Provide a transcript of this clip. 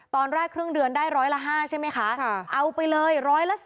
ตอนแรกครึ่งเดือนได้ร้อยละ๕ใช่ไหมคะเอาไปเลยร้อยละ๑๐